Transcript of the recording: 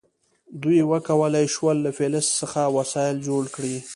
دوی وکولی شول له فلز څخه وسایل جوړ کړي.